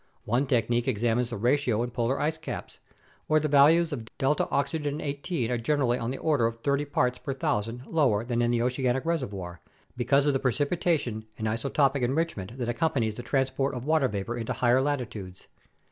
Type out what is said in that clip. One technique ex amines the ratio in polar ice caps, where the values of 8 18 are generally on the order of 30 parts per thousand lower than in the oceanic reservoir, because of the precipitation and isotopic enrichment that accompanies the transport of water vapor into high latitudes.